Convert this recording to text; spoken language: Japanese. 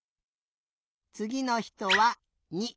つぎのひとは２。